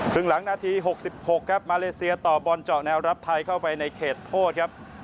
ครึ่งหลังนาที๖๖ครับมาเลเซียต่อบอลเจาะแนวรับไทยเข้าไปในเขตโทษครับ